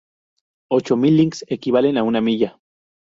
Ocho mil links equivalen a una milla.